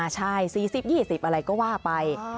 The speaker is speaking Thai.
ใช่๔๐๒๐อะไรก็ว่าไป